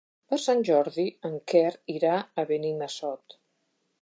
Per Sant Jordi en Quer irà a Benimassot.